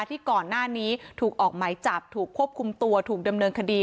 ที่ก่อนหน้านี้ถูกออกหมายจับถูกควบคุมตัวถูกดำเนินคดี